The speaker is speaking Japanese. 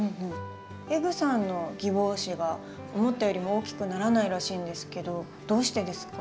エグさんのギボウシは思ったよりも大きくならないらしいんですけどどうしてですか？